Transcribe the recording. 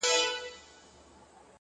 يمه دي غلام سترگي راواړوه؛